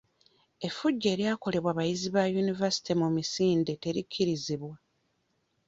Effujjo eryakolebwa abayizi ba yunivaasite mu misinde terikkirizibwa.